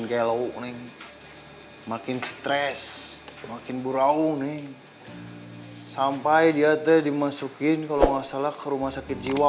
gelo neng makin stress makin burau nih sampai dia tadi masukin kalau masalah ke rumah sakit jiwa